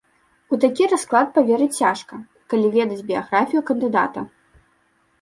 У такі расклад паверыць цяжка, калі ведаць біяграфію кандыдата.